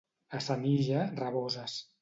A Senija, raboses.